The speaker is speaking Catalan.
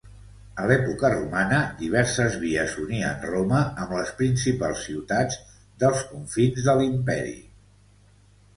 A l'època romana diverses vies unien Roma amb les principals ciutats dels confins de l'imperi.